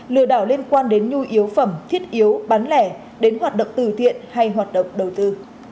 lừa đảo liên quan đến nhu yếu phẩm thiết yếu bán lẻ đến hoạt động từ thiện hay hoạt động đầu tư